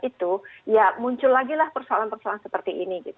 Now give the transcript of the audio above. itu ya muncul lagi lah persoalan persoalan seperti ini gitu